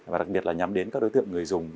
và đặc biệt là nhắm đến các đối tượng người dùng